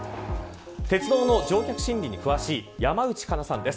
鉄道の乗客心理に詳しい山内香奈さんです。